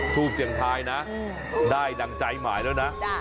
ทูปเสียงทายนะได้ดังใจหมายแล้วนะ